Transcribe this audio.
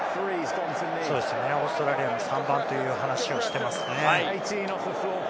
オーストラリアの３番という話をしていますね。